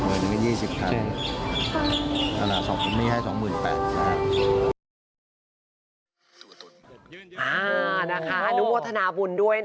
เหนื่อยจนกัน๒๐๐๐๐บาท